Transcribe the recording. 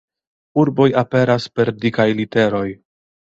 Urboj aperas per dikaj literoj.